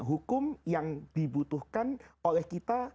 hukum yang dibutuhkan oleh kita